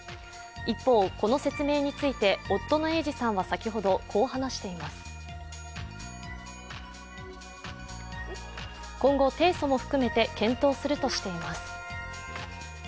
一方、この説明について夫の英治さんは今後、提訴も含めて検討するとしています。